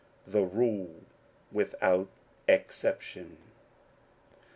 THE RULE WITHOUT EXCEPTION.